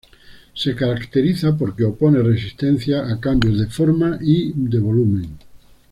Se caracteriza porque opone resistencia a cambios de forma y de volumen.